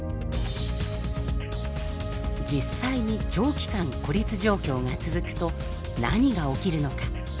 実際に長期間孤立状況が続くと何が起きるのか？